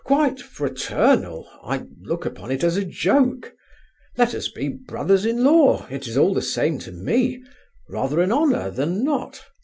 "Quite fraternal—I look upon it as a joke. Let us be brothers in law, it is all the same to me,—rather an honour than not.